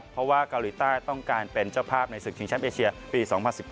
เพราะว่าเกาหลีใต้ต้องการเป็นเจ้าภาพในศึกชิงแชมป์เอเชียปี๒๐๑๙